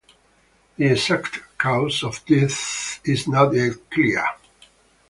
The exact cause of death is not yet clear.